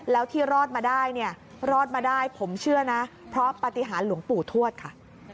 แล้วที่รอดมาได้เนี่ยรอดมาได้ผมเชื่อนะเพราะปฏิหารหลวงปู่ทวดค่ะ